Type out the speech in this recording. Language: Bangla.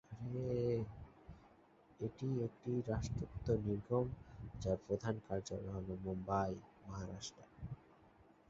এটি একটি রাষ্ট্রায়ত্ত নিগম, যার প্রধান কার্যালয় হল মুম্বই, মহারাষ্ট্র।